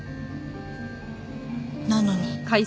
なのに。